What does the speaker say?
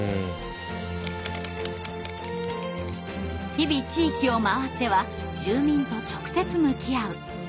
日々地域を回っては住民と直接向き合う。